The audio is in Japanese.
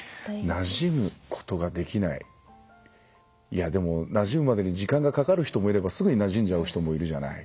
いやでもなじむまでに時間がかかる人もいればすぐになじんじゃう人もいるじゃない。